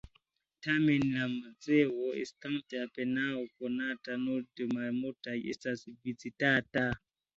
Tamen la muzeo, estante apenaŭ konata, nur de malmultaj estas vizitata.